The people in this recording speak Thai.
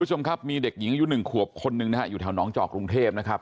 คุณผู้ชมครับมีเด็กหญิงอายุหนึ่งขวบคนหนึ่งนะฮะอยู่แถวหนองจอกกรุงเทพนะครับ